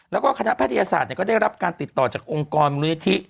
แล้วก็คณะแพทยศาสตร์ก็ได้รับการติดต่อจากองค์กรมูลนิธิ